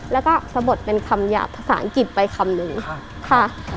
แล้วก็สะบดเป็นคำหยาบภาษาอังกฤษไปคำนึงค่ะ